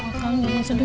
akang jangan sedih